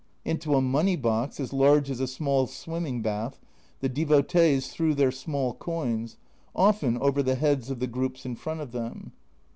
Into a money box, as large as a small swimming bath, the devotees threw their small coins, often over the heads of the groups in front of them.